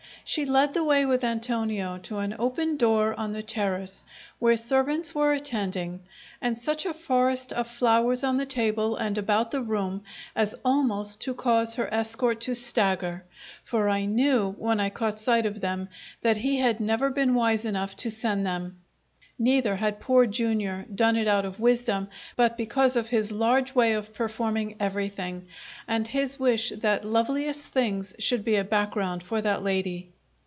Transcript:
She led the way with Antonio to an open door on the terrace where servants were attending, and such a forest of flowers on the table and about the room as almost to cause her escort to stagger; for I knew, when I caught sight of them, that he had never been wise enough to send them. Neither had Poor Jr. done it out of wisdom, but because of his large way of performing everything, and his wish that loveliest things should be a background for that lady.